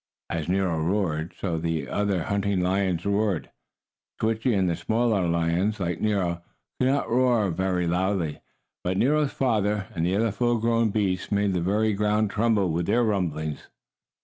As Nero roared, so the other hunting lions roared. Switchie and the smaller lions, like Nero, could not roar very loudly, but Nero's father, and the other full grown beasts made the very ground tremble with their rumblings.